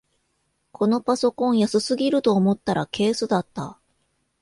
このパソコン安すぎると思ったらケースだった